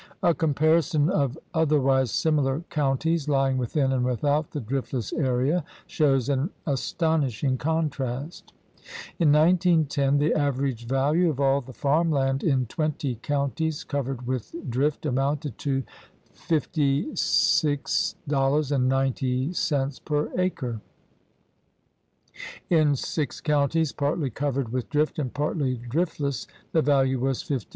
A comparison of other wise similar counties lying within and without the driftless area shows an astonishing contrast. In 1910 the average value of all the farm land in twenty counties covered with drift amounted to $56.90 per acre. In six counties partly covered with drift and partly driftless the value was $59.